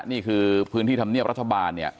นี่คือพื้นที่ธรรมเนียบรัฐบาลเนี่ย